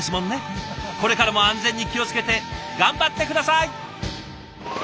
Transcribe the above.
これからも安全に気を付けて頑張って下さい！